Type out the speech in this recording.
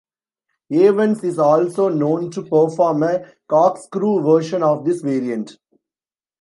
Evans is also known to perform a corkscrew version of this variant.